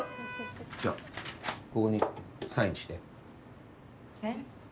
じゃあここにサインしてえっ？